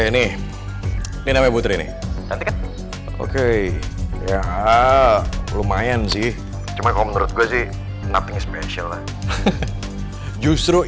nih ini butir ini oke ya lumayan sih cuma kalau menurut gue sih nothing special justru